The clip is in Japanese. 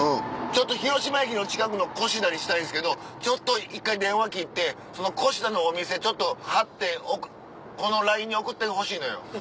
広島駅の近くの越田にしたいんですけどちょっと一回電話切ってその越田のお店貼ってこのＬＩＮＥに送ってほしいのよ。